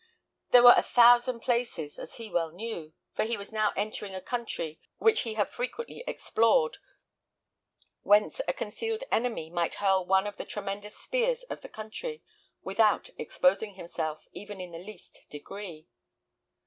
There were a thousand places, as he well knew for he was now entering a country which he had frequently explored whence a concealed enemy might hurl one of the tremendous spears of the country, without exposing himself, even in the least degree.